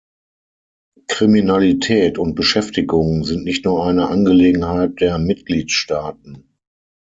Kriminalität und Beschäftigung sind nicht nur eine Angelegenheit der Mitgliedstaaten.